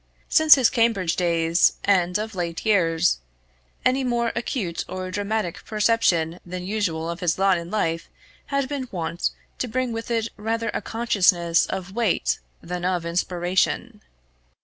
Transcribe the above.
Since his Cambridge days, and of late years, any more acute or dramatic perception than usual of his lot in life had been wont to bring with it rather a consciousness of weight than of inspiration.